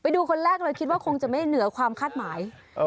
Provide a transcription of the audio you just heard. ดูคนแรกเลยคิดว่าคงจะไม่เหนือความคาดหมาย